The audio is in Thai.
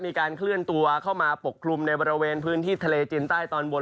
มีการเคลื่อนตัวเข้ามาปกคลุมในบริเวณพื้นที่ทะเลจีนใต้ตอนบน